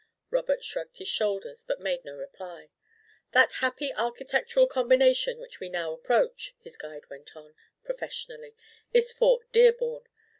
Robert shrugged his shoulders, but made no reply. "That happy architectural combination which we now approach," his guide went on, professionally, "is Fort Dearborn.